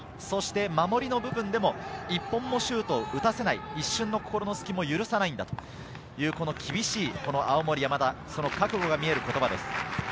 そして守りの部分でも１本もシュートを打たせない、一瞬の心の隙も許さないんだという厳しい青森山田、その覚悟が見える言葉です。